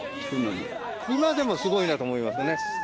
今でもすごいなと思いますね。